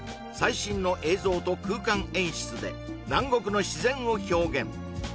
最新の映像と空間演出で南国の自然を表現